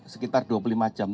sekitar dua puluh lima jam